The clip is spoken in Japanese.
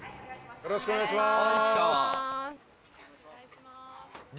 よろしくお願いします